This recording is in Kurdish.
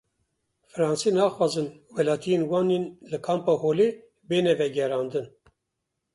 Fransî naxwazin welatiyên wan yên li Kampa Holê bêne vegerandin.